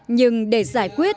nhưng để giải quyết